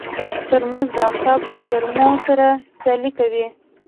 ترموز د افتاب له ګرمو سره سیالي کوي.